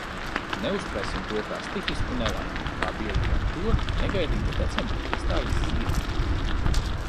Neuztversim to kā stihisku nelaimi, kā bieži vien to, ka negaidīti decembrī iestājas ziema!